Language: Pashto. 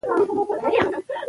باید په ګډه کار وکړو.